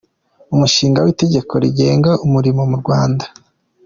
Umushinga w’Itegeko rigenga Umurimo mu Rwanda;